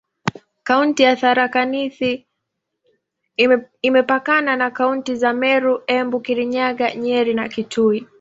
Kaunti ya Tharaka Nithi imepakana na kaunti za Meru, Embu, Kirinyaga, Nyeri na Kitui.